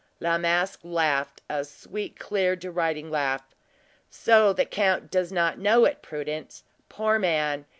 La Masque laughed a sweet, clear, deriding laugh, "So the count does not know it, Prudence? Poor man!